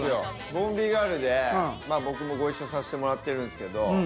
『ボンビーガール』で僕もご一緒させてもらってるんすけど。